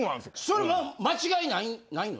それは間違いないの？